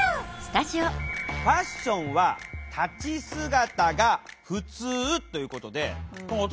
ファッションは「立ち姿」がふつうということで私